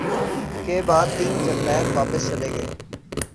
کے بعد تین جرنیل واپس چلے گئے